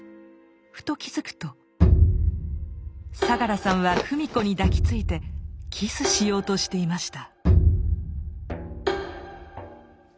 ふと気付くと相良さんは芙美子に抱きついてキスしようとしていました。